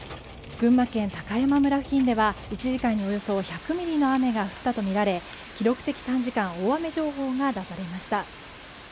群馬県高山村付近では１時間におよそ１００ミリの雨が降ったとみられ記録的短時間大雨情報が出されました。